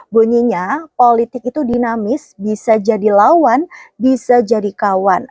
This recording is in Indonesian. bunyinya politik itu dinamis bisa jadi lawan bisa jadi kawan